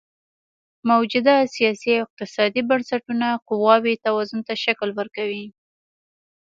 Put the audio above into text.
موجوده سیاسي او اقتصادي بنسټونه قواوو توازن ته شکل ورکوي.